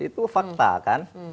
itu fakta kan